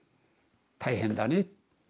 「大変だね」